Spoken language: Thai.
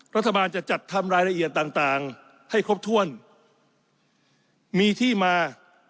รัฐบาลจะจัดทำรายละเอียดต่างต่างให้ครบถ้วนมีที่มา